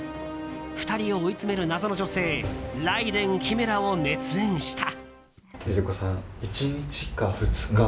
２人を追い詰める謎の女性雷電キメラを熱演した。